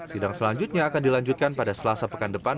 sidang selanjutnya akan dilanjutkan pada selasa pekan depan